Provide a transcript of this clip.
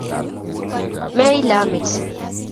meila met